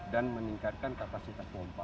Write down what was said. dan meningkatkan kapasitas pompa